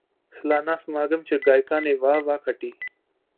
ਸਲਾਨਾ ਸਮਾਗਮ ਚ ਗਾਇਕਾਂ ਨੇ ਵਾਹ ਵਾਹ ਖੱਟੀ